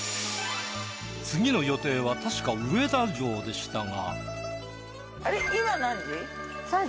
次の予定はたしか上田城でしたが。